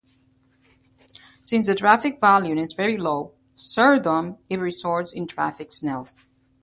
Since the traffic volume is very low, seldom it results in traffic snarls.